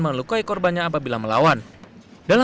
ketika petugas menangkap puluhan remaja dan pelajar